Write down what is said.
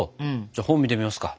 じゃあ本見てみますか？